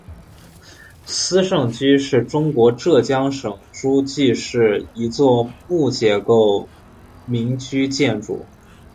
斯盛居是中国浙江省诸暨市一座木结构民居建筑。